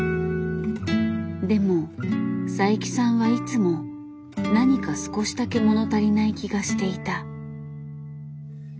でも佐伯さんはいつも何か少しだけ物足りない気がしていた。